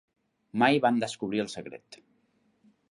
Mai van descobrir el secret.